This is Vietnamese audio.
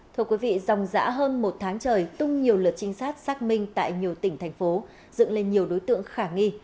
thưa quý vị dòng giã hơn một tháng trời tung nhiều lượt trinh sát xác minh tại nhiều tỉnh thành phố dựng lên nhiều đối tượng khả nghi